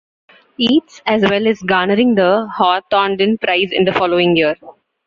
Yeats, as well as garnering the Hawthornden Prize in the following year.